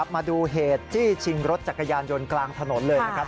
มาดูเหตุจี้ชิงรถจักรยานยนต์กลางถนนเลยนะครับ